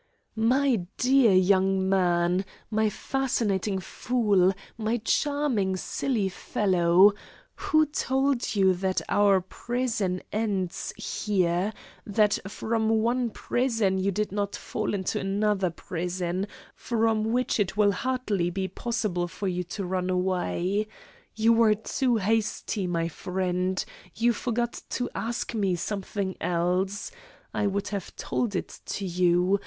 My dear young man, my fascinating fool, my charming silly fellow who told you that our prison ends here, that from one prison you did not fall into another prison, from which it will hardly be possible for you to run away? You were too hasty, my friend, you forgot to ask me something else I would have told it to you.